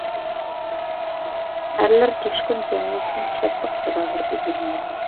ئەرلەر جۇشقۇن جەمئىيەتتىن شادلىق سادالىرى ئۈزۈلمەيدۇ.